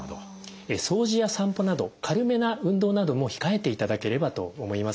掃除や散歩など軽めな運動なども控えていただければと思います。